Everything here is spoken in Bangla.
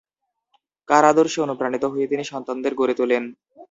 কার আদর্শে অনুপ্রাণিত হয়ে তিনি সন্তানদের গড়ে তোলেন?